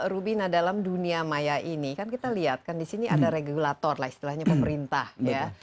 ruby nah dalam dunia maya ini kan kita lihat kan di sini ada regulator lah istilahnya pemerintah ya